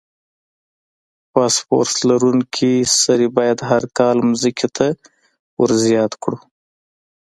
فاسفورس لرونکي سرې باید هر کال ځمکې ته ور زیات کړو.